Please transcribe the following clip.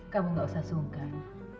kamu gak usah sungkan